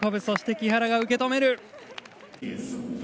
そして木原が受け止める。